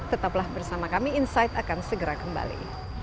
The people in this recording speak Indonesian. tetaplah bersama kami insight akan segera kembali